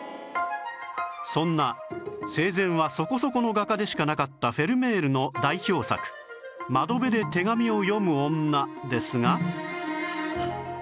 そんな生前はそこそこの画家でしかなかったフェルメールの代表作『窓辺で手紙を読む女』ですが